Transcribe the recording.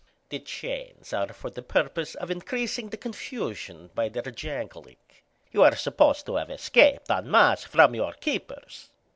"The chains are for the purpose of increasing the confusion by their jangling. You are supposed to have escaped, en masse, from your keepers.